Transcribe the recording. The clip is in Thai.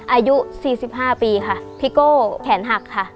อายุ๔๕ปีค่ะพี่โก้แขนหักค่ะ